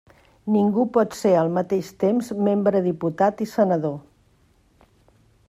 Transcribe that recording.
Ningú pot ser al mateix temps membre diputat i senador.